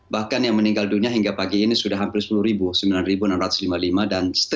bahkan yang meninggal dunia hingga pagi ini sudah hampir sepuluh ribu